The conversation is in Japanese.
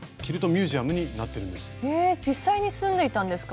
へえ実際に住んでいたんですか？